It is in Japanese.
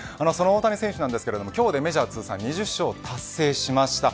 大谷選手ですが今日でメジャー通算２０勝を達成しました。